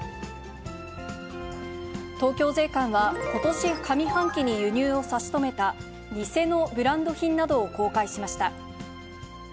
東京税関は、ことし上半期に輸入を差し止めた偽のブランド品などを公開しました。